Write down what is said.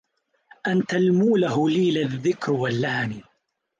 أنت الموله لي لا الذكر ولهني